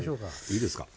いいですか。